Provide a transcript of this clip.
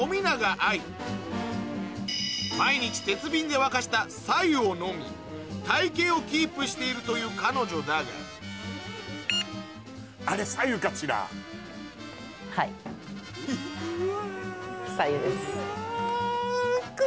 今年毎日鉄瓶で沸かした白湯を飲み体形をキープしているという彼女だがうわ！